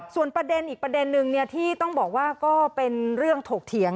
ส่วนประเด็นอีกประเด็นนึงที่ต้องบอกว่าก็เป็นเรื่องถกเถียง